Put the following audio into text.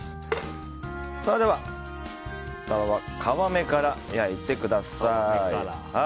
では、サバは皮目から焼いてください。